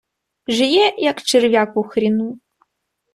Жиє, як черв'як у хріну.